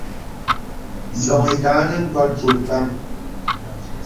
Sɔ̄ŋ itāgā nə ngɔ̀l bòt bam.